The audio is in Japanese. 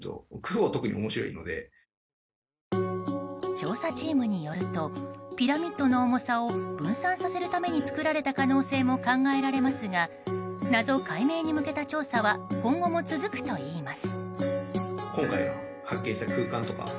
調査チームによるとピラミッドの重さを分散させるために作られた可能性も考えられますが謎解明に向けた調査は今後も続くといいます。